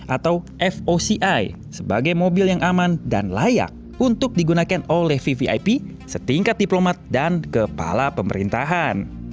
atau foci sebagai mobil yang aman dan layak untuk digunakan oleh vvip setingkat diplomat dan kepala pemerintahan